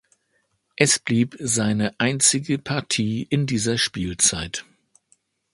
Es blieb seine einzige Partie in dieser Spielzeit.